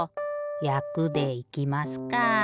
「やく」でいきますか。